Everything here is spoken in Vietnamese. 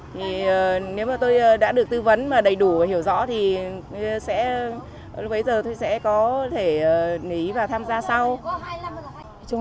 thì nếu mà tôi đã được tư vấn mà đầy đủ và hiểu rõ thì bây giờ tôi sẽ có thể nghỉ và tham gia sau